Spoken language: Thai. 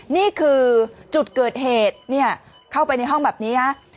นี่คือจุดเกิดเหตุเข้าไปในห้องแบบนี้ฮะ